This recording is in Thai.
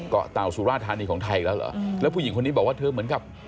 เกาะเต่าสุราธานีของไทยแล้วเหรอแล้วผู้หญิงคนนี้บอกว่าเธอเหมือนกับ